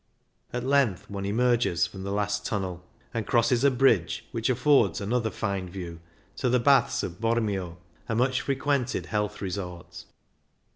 At length one emerges from the last tunnel, and crosses a bridge, which affords another fine view, to the Baths of Bormio, a much frequented health resort.